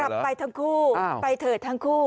ไปทั้งคู่ไปเถิดทั้งคู่